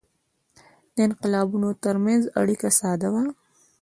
د انقلابونو ترمنځ اړیکه ساده وه.